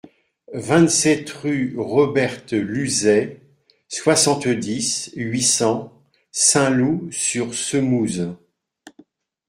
vingt-sept rue Roberte Luzet, soixante-dix, huit cents, Saint-Loup-sur-Semouse